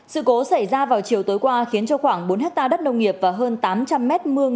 sự cố xảy ra vào chiều tối qua khiến cho khoảng bốn hectare đất nông nghiệp và hơn tám trăm linh m hai